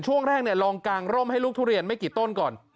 ช่วงแรกลองกางร่มให้ลูกทุเรียนไม่กี่ต้นก่อน